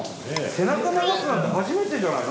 背中流すなんてはじめてじゃないの？